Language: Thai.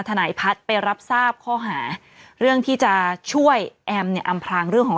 นายพัฒน์ไปรับทราบข้อหาเรื่องที่จะช่วยแอมเนี่ยอำพลางเรื่องของ